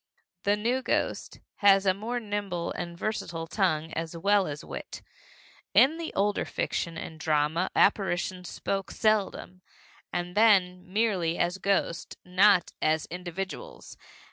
The new ghost has a more nimble and versatile tongue as well as wit. In the older fiction and drama apparitions spoke seldom, and then merely as ghosts, not as individuals.